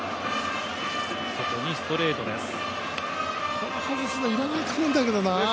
ここ外すのいらないと思うんだけどな。